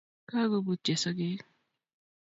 Kagobutyo sogeek